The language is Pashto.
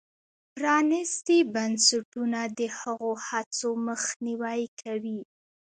پرانیستي بنسټونه د هغو هڅو مخنیوی کوي.